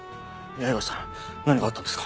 八重樫さん何かあったんですか？